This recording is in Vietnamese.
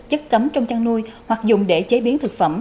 chất cấm trong chăn nuôi hoặc dùng để chế biến thực phẩm